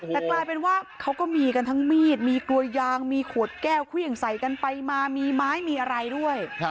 แต่กลายเป็นว่าเขาก็มีกันทั้งมีดมีกลวยยางมีขวดแก้วเครื่องใส่กันไปมามีไม้มีอะไรด้วย